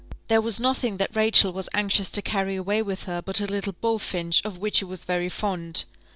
There was nothing that Rachel was anxious to carry away with her but a little bullfinch, of which she was very fond.